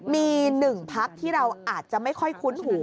มี๑พักที่เราอาจจะไม่ค่อยคุ้นหู